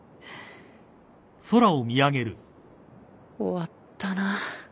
終わったな。